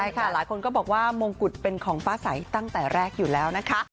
ใช่ค่ะหลายคนก็บอกว่ามงกุฎเป็นของฟ้าใสตั้งแต่แรกอยู่แล้วนะคะ